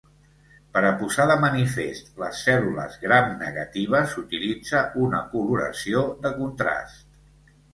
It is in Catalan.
Per a posar de manifest les cèl·lules Gram negatives s'utilitza una coloració de contrast.